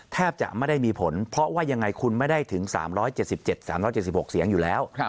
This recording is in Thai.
แทบจะไม่ได้มีผลเพราะว่ายังไงคุณไม่ได้ถึง๓๗๗๓๗๖เสียงอยู่แล้ว